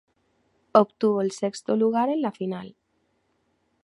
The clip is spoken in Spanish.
Obtuvo el sexto lugar en la final.